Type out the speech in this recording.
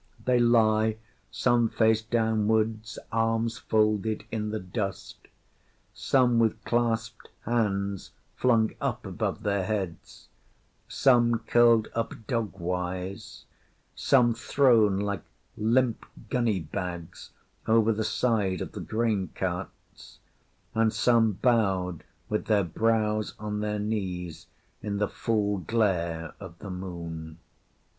They lie some face downwards, arms folded, in the dust; some with clasped hands flung up above their heads; some curled up dog wise; some thrown like limp gunny bags over the side of the grain carts; and some bowed with their brows on their knees in the full glare of the Moon.